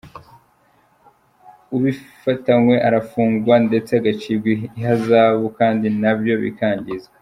Ubifatanywe arafungwa ndetse agacibwa ihazabu, kandi na byo bikangizwa."